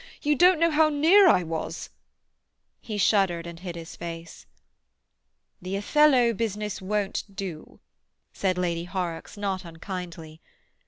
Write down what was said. You don't know how near I was—" He shuddered and hid his face. "The Othello business won't do," said Lady Horrocks not unkindly.